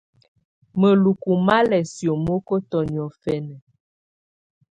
Mǝlukú má lɛ́ siomokotɔ niɔ̀fɛna.